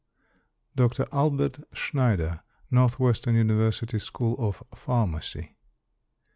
_) DR. ALBERT SCHNEIDER, Northwestern University School of Pharmacy.